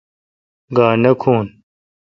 گاؘ نہ کھون۔